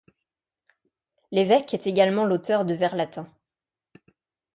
L'évêque est également l'auteur de vers latin.